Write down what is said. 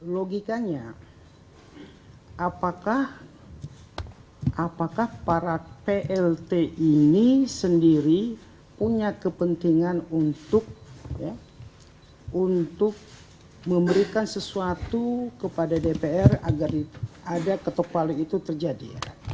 logikanya apakah para plt ini sendiri punya kepentingan untuk memberikan sesuatu kepada dpr agar ada ketok paling itu terjadi